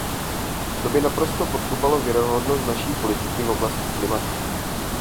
To by naprosto podkopalo věrohodnost naší politiky v oblasti klimatu.